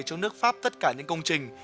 cho nước pháp tất cả những công trình